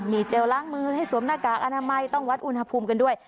มีเจลล้างมือให้สวมหน้ากากอนามัยต้องวัดอุณหภูมิกันด้วย